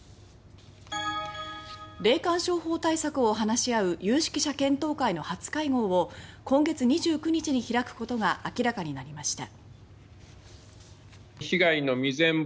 霊感商法対策を話し合う有識者検討会の初会合を今月２９日に開くことが明らかになりました。